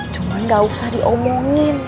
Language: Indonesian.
cuma tidak usah diomongin